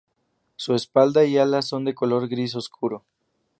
Su espalda y alas son de color gris oscuro.